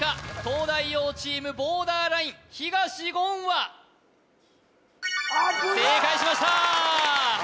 東大王チームボーダーライン東言は正解しましたー